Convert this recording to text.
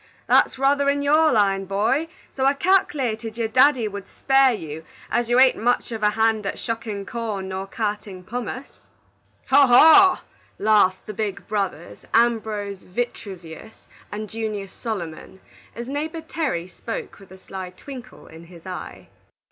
That's ruther in your line, boy, so I calk'lated your daddy would spare you, as you ain't much of a hand at shuckin' corn nor cartin' pummace." "Haw! haw!" laughed the big brothers, Ambrose Vitruvius and Junius Solomon, as neighbor Terry spoke with a sly twinkle in his eye.